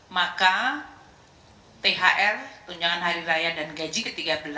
maka thr tunjangan hari raya dan gaji ke tiga belas